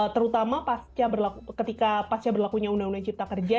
terutama ketika pasca berlakunya undang undang cipta kerja